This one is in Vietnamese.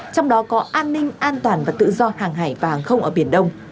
trong đó có an ninh an toàn và tự do hàng hải và hàng không ở biển đông